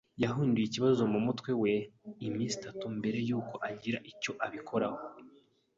Yahinduye ikibazo mumutwe we iminsi itatu mbere yuko agira icyo abikoraho.